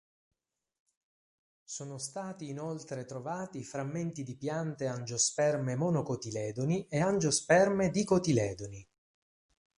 Sono stati inoltre trovati frammenti di piante angiosperme monocotiledoni e angiosperme dicotiledoni.